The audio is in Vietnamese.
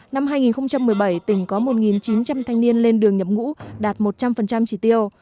năm hai nghìn một mươi bảy tỉnh có một chín trăm linh thanh niên lên đường nhập ngũ đạt một trăm linh chỉ tiêu